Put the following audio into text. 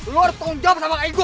lu harus tanggung jawab sama kaya gua